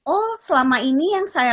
oh selama ini yang saya